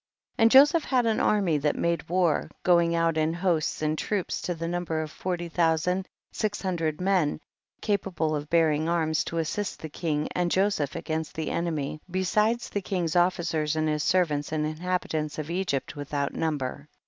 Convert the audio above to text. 43. And Joseph had an army that made war, going out in hosts and troops to the number of forty thou sand six hundred men, capable of bearing arms to assist the king and Joseph against the enemy, besides the king's officers and his servants and inhabitants of Egypt without number.